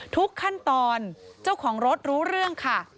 ทุกขั้นตอนเจ้าของรถรู้เรื่องค่ะ